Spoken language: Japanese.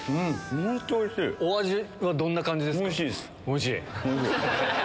お味はどんな感じですか？